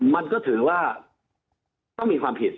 มันก็ถือว่าต้องมีความผิด